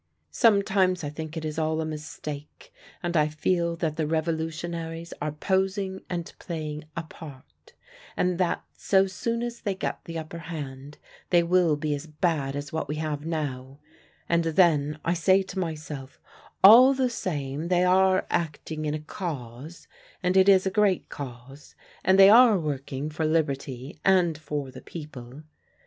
[*] A Russian proverb. "Sometimes I think it is all a mistake, and I feel that the revolutionaries are posing and playing a part, and that so soon as they get the upper hand they will be as bad as what we have now; and then I say to myself, all the same they are acting in a cause, and it is a great cause, and they are working for liberty and for the people.